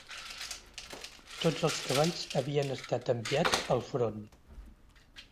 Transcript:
Tots els cavalls havien estat enviats al front